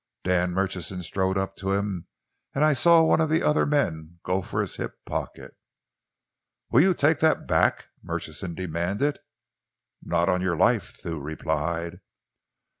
"Dan Murchison strode up to him and I saw one of the other men go for his hip pocket. "'Will you take that back?' Murchison demanded. "'Not on your life!' Thew replied.